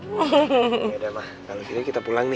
yaudah mah kalo gini kita pulang nih